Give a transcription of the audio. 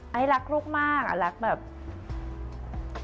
ให้ลักลูกมากที่บ้าง